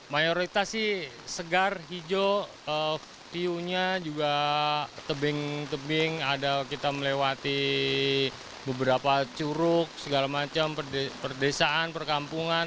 mayoritas sih segar hijau tiunya juga tebing tebing ada kita melewati beberapa curug segala macam perdesaan perkampungan